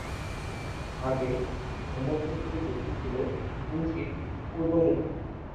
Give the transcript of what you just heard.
আগে ব্রহ্মপুত্রের গতি ছিল কিঞ্চিৎ পূর্বমুখী।